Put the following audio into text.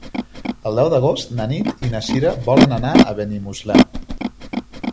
El deu d'agost na Nit i na Cira volen anar a Benimuslem.